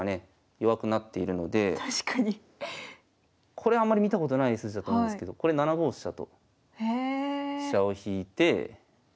これあんまり見たことない筋だと思うんですけど７五飛車と飛車を引いて。